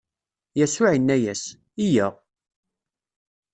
Yasuɛ inna-as: Yya!